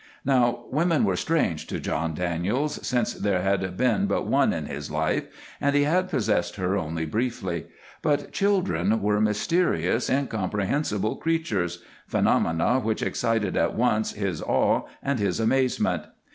Now, women were strange to John Daniels, since there had been but one in his life, and he had possessed her only briefly, but children were mysterious, incomprehensible creatures; phenomena which excited at once his awe and his amazement.